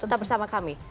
tetap bersama kami